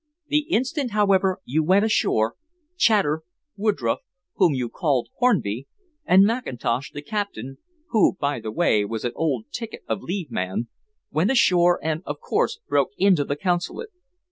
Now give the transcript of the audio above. The instant, however, you went ashore, Chater, Woodroffe whom you called Hornby and Mackintosh, the captain who, by the way, was an old ticket of leave man went ashore, and, of course, broke into the Consulate.